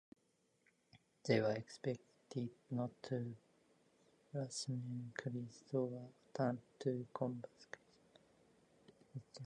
They were expected not to blaspheme Christ or attempt to convert Christians.